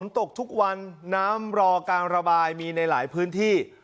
ตกทุกวันน้ำรอการระบายมีในหลายพื้นที่